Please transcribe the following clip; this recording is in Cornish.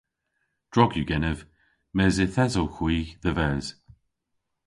Drog yw genev mes yth esowgh hwi dhe-ves.